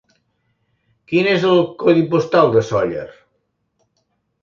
Quin és el codi postal de Sóller?